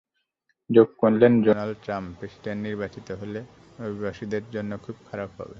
যোগ করলেন, Donald Trump president নির্বাচিত হলে অভিবাসীদের জন্য খুব খারাপ হবে।